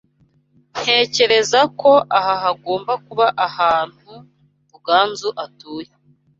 Ntekereza ko aha hagomba kuba ahantu Ruganzu atuye.